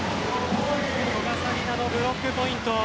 古賀紗理那のブロックポイント。